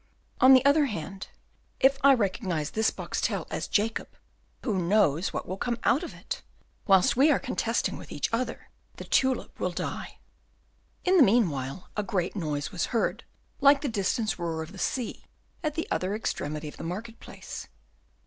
On the other hand, if I recognise this Boxtel as Jacob, who knows what will come out of it? whilst we are contesting with each other, the tulip will die." In the meanwhile, a great noise was heard, like the distant roar of the sea, at the other extremity of the market place.